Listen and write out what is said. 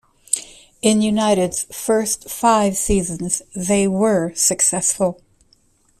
In United's first five seasons they were successful.